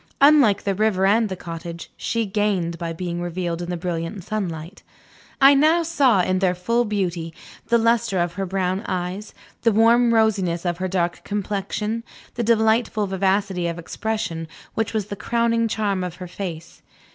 Unlike the river and the cottage, she gained by being revealed in the brilliant sunlight. I now saw, in their full beauty, the luster of her brown eyes, the warm rosiness of her dark complexion, the delightful vivacity of expression which was the crowning charm of her face.